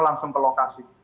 langsung ke lokasi